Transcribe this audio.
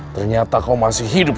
ternyata kau masih hidup